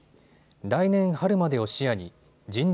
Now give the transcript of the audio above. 来年春までを視野に人流